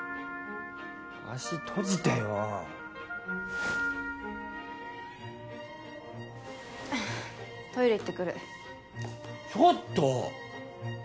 足閉じてよトイレ行ってくるちょっと！